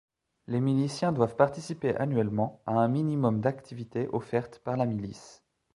Les miliciens doivent participer annuellement à un minimum d'activités offertes par la milice.